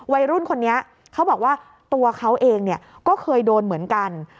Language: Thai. วัยรุ่นคนนี้เขาบอกว่าตัวเขาเองก็เคยโดนเหมือนกัน